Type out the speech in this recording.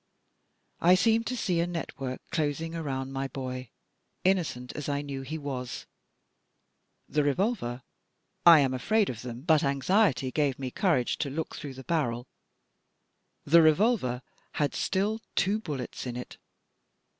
I seemed to see a network closing arotmd my boy, innocent as I knew he was. The revolver — I am afraid of them, but anxiety gave me courage to look through the barrel — the revolver had still two bullets in it.